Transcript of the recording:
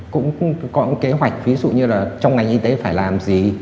cũng có kế hoạch ví dụ như là trong ngành y tế phải làm gì